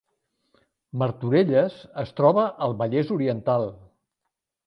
Martorelles es troba al Vallès Oriental